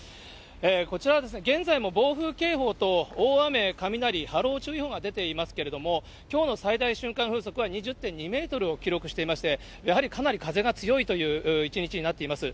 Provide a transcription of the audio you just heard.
こちらは現在も暴風警報と大雨、雷、波浪注意報が出ていますけれども、きょうの最大瞬間風速は２０．２メートルを記録していまして、やはりかなり風が強いという一日になっています。